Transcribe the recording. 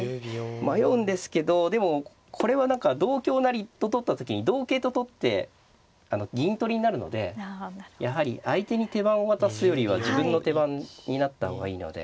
迷うんですけどでもこれは何か同香成と取った時に同桂と取って銀取りになるのでやはり相手に手番を渡すよりは自分の手番になった方がいいので。